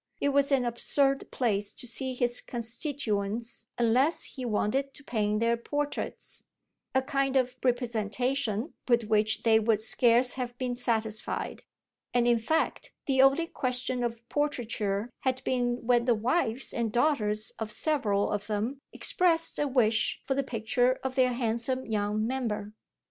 It was an absurd place to see his constituents unless he wanted to paint their portraits, a kind of "representation" with which they would scarce have been satisfied; and in fact the only question of portraiture had been when the wives and daughters of several of them expressed a wish for the picture of their handsome young member.